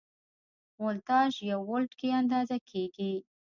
ولتاژ په ولټ کې اندازه کېږي.